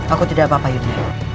aku tidak apa apa hidupnya